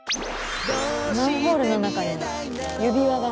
マンホールの中に指輪が。